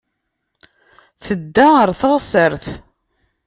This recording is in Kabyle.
Tedda ɣer teɣsert.